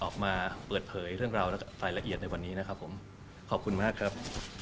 ขอบคุณมากครับ